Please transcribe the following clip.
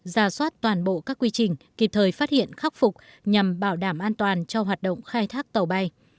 ra soát toàn bộ các quy trình kịp thời phát hiện khắc phục nhằm bảo đảm an toàn cho hoạt động khai thác tàu bay